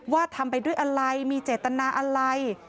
ทำไปด้วยอะไรมีเจตนาอะไร